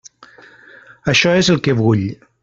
Això és el que vull.